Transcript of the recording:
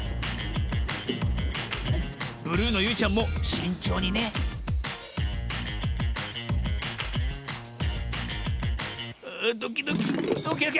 ブルーのゆいちゃんもしんちょうにねドキドキドキドキ。